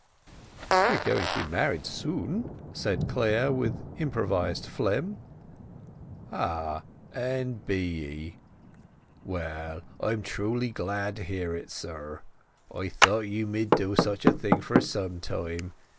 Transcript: "We are going to be married soon," said Clare, with improvised phlegm. "Ah—and be ye! Well, I am truly glad to hear it, sir. I've thought you mid do such a thing for some time.